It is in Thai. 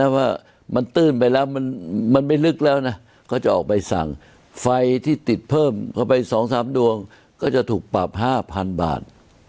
ถ้าว่ามันตื้นไปแล้วมันมันไม่ลึกแล้วนะก็จะออกไปสั่งไฟที่ติดเพิ่มเข้าไปสองสามดวงก็จะถูกปรับห้าพันบาท